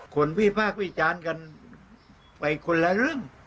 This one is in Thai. คนวี่ภาควี่จานกันไปคนละเรื่อง